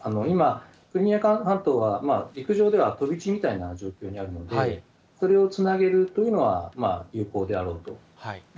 今、クリミア半島は、陸上では飛び地みたいな状況になるので、それをつなげるというのは、有効であろうと。